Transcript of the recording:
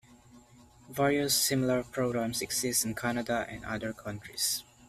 Various, similar programs exist in Canada and other countries.